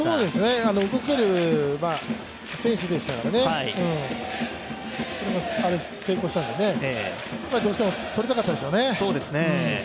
動ける選手でしたからね、それが成功したんでね、どうしてもとりたかったでしょうね。